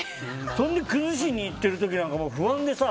崩しに行ってる時なんか不安でさ。